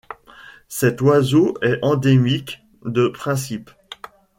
Cet oiseau est endémique de Principe.